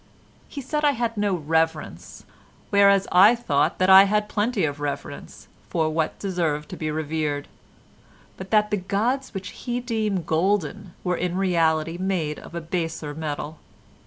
He said I had no reverence; whereas I thought that I had plenty of reverence for what deserved to be revered, but that the gods which he deemed golden were in reality made of baser metal.